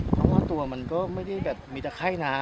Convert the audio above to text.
ทั้งว่าตัวมันก็ไม่ได้มีแต่ไข้น้ำ